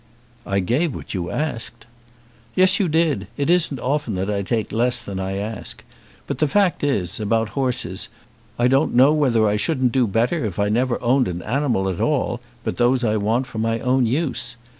"I gave you what you asked." "Yes, you did. It isn't often that I take less than I ask. But the fact is, about horses, I don't know whether I shouldn't do better if I never owned an animal at all but those I want for my own use.